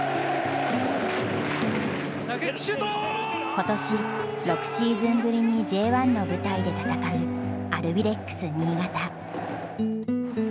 今年６シーズンぶりにＪ１の舞台で戦うアルビレックス新潟。